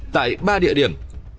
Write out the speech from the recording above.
tại ba địa điểm